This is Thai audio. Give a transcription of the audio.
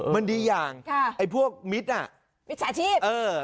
มันดีอย่างไอ้พวกมิตรมิจฉาชีพ